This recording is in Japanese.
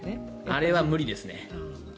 あれは無理ですね。